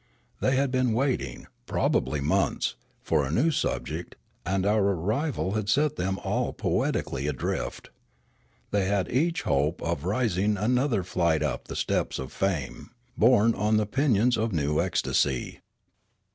They had been waiting, prob ably months, for a new subject, and our arrival had set them all poeticallj adrift. They had each hope of ris ing another flight up the steps of fame, borne on the pinions of a new ecstasy.